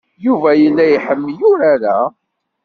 Yuba yella iḥemmel urar-a.